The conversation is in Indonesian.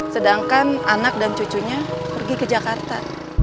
sedangkan anak dan cucunya pergi ke jakarta